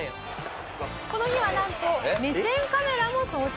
この日はなんと目線カメラも装着。